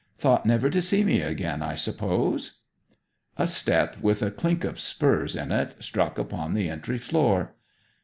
Thought never to see me again, I suppose?' A step with a clink of spurs in it struck upon the entry floor.